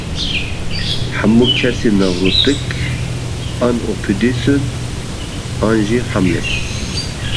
Hemû kesên nevrotîk an Oîdîpûs in an jî Hamlet in.